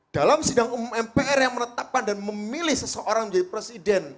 dalam sidang umum mpr yang menetapkan dan memilih seseorang menjadi presiden